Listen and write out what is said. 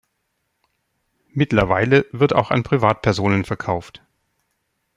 Mittlerweile wird auch an Privatpersonen verkauft.